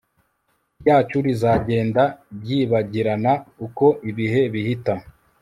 ryacu rizagenda ryibagirana uko ibihe bihita